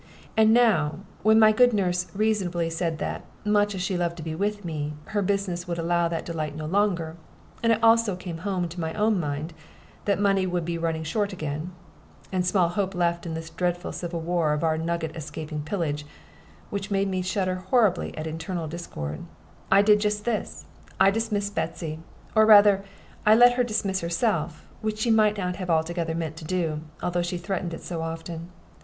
And now when my good nurse reasonably said that, much as she loved to be with me, her business would allow that delight no longer, and it also came home to my own mind that money would be running short again, and small hope left in this dreadful civil war of our nugget escaping pillage (which made me shudder horribly at internal discord), I just did this I dismissed Betsy, or rather I let her dismiss herself, which she might not have altogether meant to do, although she threatened it so often.